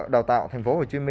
đào tạo tp hcm